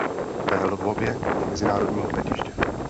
Ve Lvově je mezinárodní letiště.